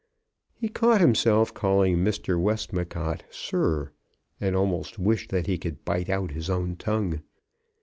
He caught himself calling Mr. Westmacott, sir, and almost wished that he could bite out his own tongue.